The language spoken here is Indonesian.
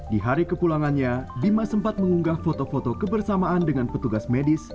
di hari kepulangannya bima sempat mengunggah foto foto kebersamaan dengan petugas medis